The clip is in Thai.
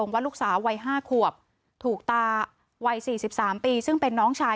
ว่าลูกสาววัย๕ขวบถูกตาวัย๔๓ปีซึ่งเป็นน้องชาย